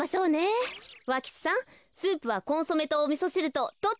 ふわ吉さんスープはコンソメとおみそしるとどっちがいい？